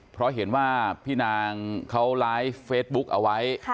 เพราะเห็นว่าพี่นางเขาไลฟ์เฟซบุ๊กเอาไว้